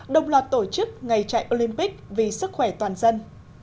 đồng loạt tổ chức ngày chạy olympic vì sức khỏe toàn dân